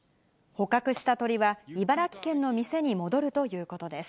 捕獲した鳥は、茨城県の店に戻るということです。